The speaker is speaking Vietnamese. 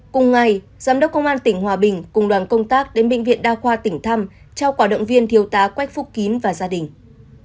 cùng ngày giám đốc công an tỉnh hòa bình cùng đoàn công tác đến bệnh viện đa khoa tỉnh thăm trao quả động viên thiếu tá quách phúc kín và gia đình